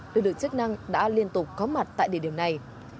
lực lượng chức năng đã liên tục có mặt tại địa điểm này